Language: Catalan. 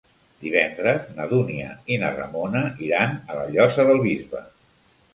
Divendres na Dúnia i na Ramona iran a la Llosa del Bisbe.